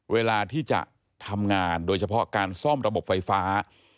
เวลาที่จะทำงานโดยเฉพาะการซ่อมระบบไฟฟ้า